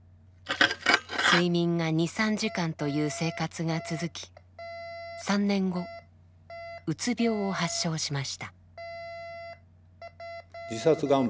睡眠が２３時間という生活が続き３年後うつ病を発症しました。